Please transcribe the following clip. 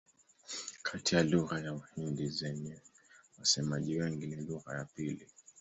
Kati ya lugha za Uhindi zenye wasemaji wengi ni lugha ya pili.